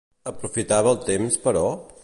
Aprofitava el temps però?